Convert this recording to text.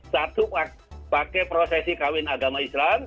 satu pakai prosesi kawin agama islam